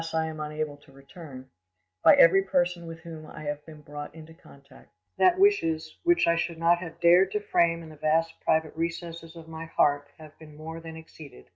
I am unable to return—by every person with whom I have been brought into contact, that wishes which I should not have dared to frame in the mast private recesses of my heart have been more than exceeded.